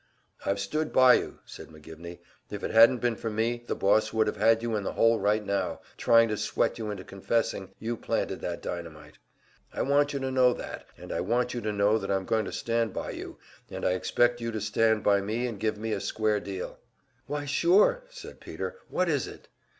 "I've stood by you," said McGivney. "If it hadn't been for me, the boss would have had you in the hole right now, trying to sweat you into confessing you planted that dynamite. I want you to know that, and I want you to know that I'm going to stand by you, and I expect you to stand by me and give me a square deal." "Why, sure!" said Peter. "What is it?"